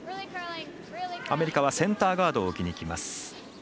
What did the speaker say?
アメリカはセンターガードを置きにきます。